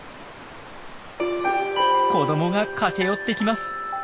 子どもが駆け寄ってきます。